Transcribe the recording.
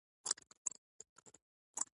خدای دې د احمد خوله پر چا نه ور خلاصوي.